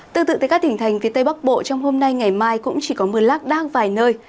tương tự tại các tỉnh thành phía tây bắc bộ trong hôm nay ngày mai cũng chỉ có mưa lác đác vài nơi